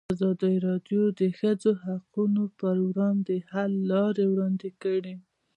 ازادي راډیو د د ښځو حقونه پر وړاندې د حل لارې وړاندې کړي.